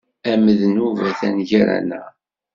Amednub atan gar-aneɣ.